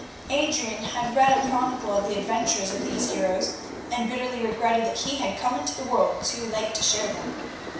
Adrian had read a chronicle of the adventures of these heroes, and bitterly regretted that he had come into the world too late to share them.